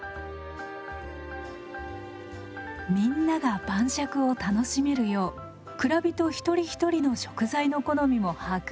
みんなが晩酌を楽しめるよう蔵人一人一人の食材の好みも把握。